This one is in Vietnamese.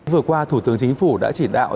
vừa qua thủ tướng chính phủ đã chỉ đạo